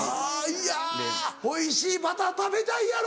いやおいしいバター食べたいやろ。